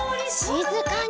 しずかに。